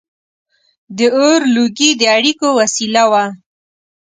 • د اور لوګي د اړیکو وسیله وه.